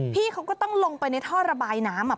พี่เขาก็ต้องลงไปในท่อระบายน้ำ